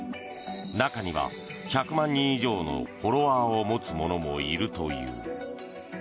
中には１００万人以上のフォロワーを持つ者もいるという。